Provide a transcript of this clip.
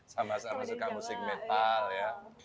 sama sama suka musik mental ya